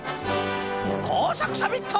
こうさくサミット！